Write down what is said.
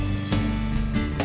nggak ada uang nggak ada uang